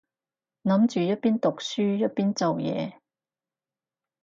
諗住一邊讀書一邊做嘢